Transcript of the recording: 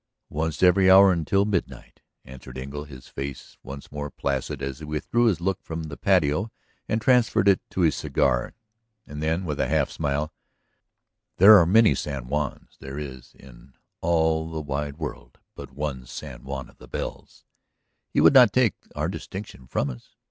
"Once every hour until midnight," answered Engle, his face once more placid as he withdrew his look from the patio and transferred it to his cigar. And then, with a half smile: "There are many San Juans; there is, in all the wide world, but one San Juan of the Bells. You would not take our distinction from us?